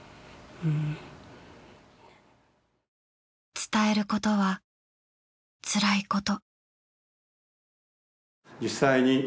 伝えることはつらいこと。